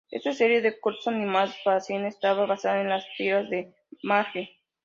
Esta serie de cortos animados para cine estaba basada en las tiras de Marge.